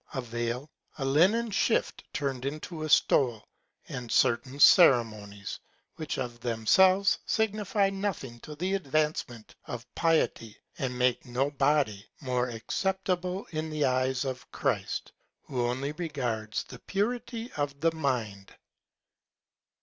A Vail, a Linnen Shift turned into a Stole, and certain Ceremonies, which of themselves signify nothing to the Advancement of Piety, and make no Body more acceptable in the Eyes of Christ, who only regards the Purity of the Mind.